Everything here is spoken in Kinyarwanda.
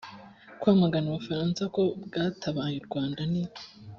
kwamagana u bufaransa ko bwatabaye u rwanda ni